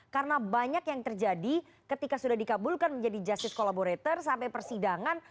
karena banyak yang terjadi ketika sudah dikabulkan menjadi jasis kolaborator sampai persidangan